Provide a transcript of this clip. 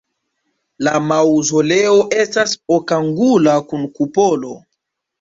La maŭzoleo estas okangula kun kupolo.